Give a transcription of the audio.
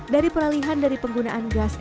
dari peralihan dari penggunaan gas